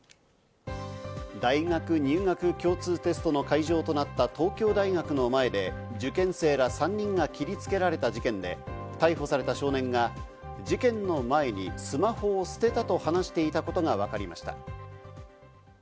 大学入学共通テストの会場となった東京大学の前で、受験生ら３人が切りつけられた事件で、逮捕された少年が事件の前にスマホを捨てたと話していたことがわかりました。